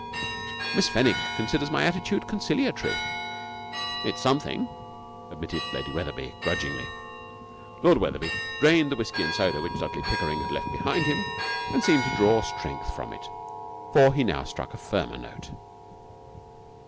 'Miss Fenwick considers my attitude conciliatory.' 'It's something,' admitted Lady Wetherby, grudgingly. Lord Wetherby drained the whisky and soda which Dudley Pickering had left behind him, and seemed to draw strength from it, for he now struck a firmer note.